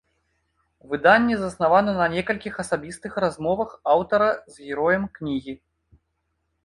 Выданне заснавана на некалькіх асабістых размовах аўтара з героем кнігі.